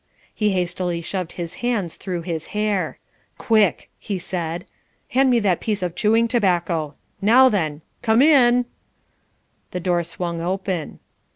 He hastily shoved his hands through his hair. "Quick," he said, "hand me that piece of chewing tobacco. Now then. Come in!" The door swung open.